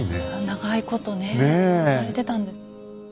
長いことね保存されてたんですね。